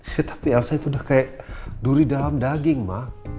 saya tapi elsa itu udah kayak duri dalam daging mak